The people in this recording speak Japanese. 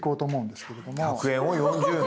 １００円を４０年。